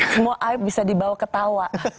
semua aib bisa dibawa ketawa